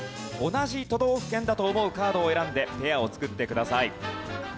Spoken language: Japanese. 同じ都道府県だと思うカードを選んでペアを作ってください。